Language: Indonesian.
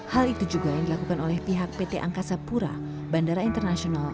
hal itu juga yang dilakukan oleh pihak pt angkasa pura bandara internasional